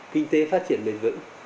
kinh tế phát triển bền vững